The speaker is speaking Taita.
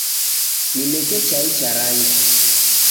Nineke chai cha rangi